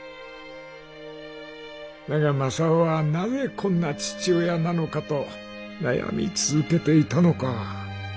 だが雅夫は『なぜこんな父親なのか』と悩み続けていたのか。